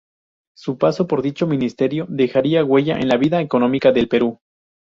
Su paso por dicho ministerio dejaría huella en la vida económica del Perú.